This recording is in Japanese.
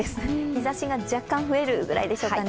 日差しが若干、増えるぐらいでしょうか。